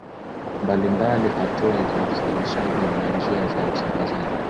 mbali mbali hatua za uzalishaji na njia za usambazaji